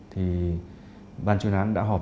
thì bàn chuyên án đã họp